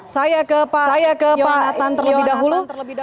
saya ke pak natan terlebih dahulu